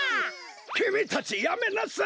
きみたちやめなさい！